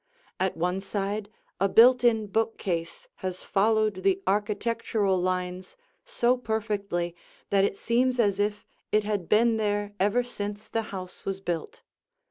At one side a built in bookcase has followed the architectural lines so perfectly that it seems as if it had been there ever since the house was built.